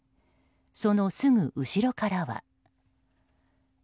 そのすぐ後ろからは。